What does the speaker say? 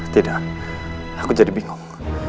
tidak aku jadi bingung